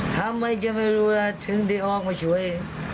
ทำไมจะไม่รู้ล่ะถึงได้ออกมาช่วย